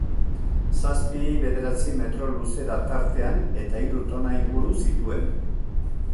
Zazpi, bederatzi metro luzera tartean eta hiru tona inguru zituen.